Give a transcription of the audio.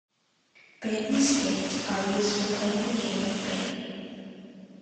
Bandy skates are used for playing the game of bandy.